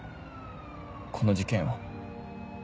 この事件を。